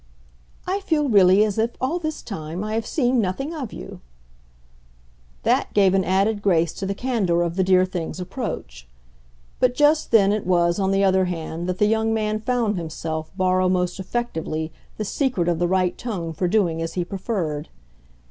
"I feel really as if, all this time, I had seen nothing of you" that gave an added grace to the candour of the dear thing's approach. But just then it was, on the other hand, that the young man found himself borrow most effectively the secret of the right tone for doing as he preferred.